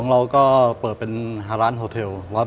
ของเราก็เปิดเป็นฮารานโฮเทล๑๐๐นะครับ